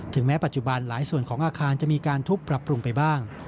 แม้ปัจจุบันหลายส่วนของอาคารจะมีการทุบปรับปรุงไปบ้าง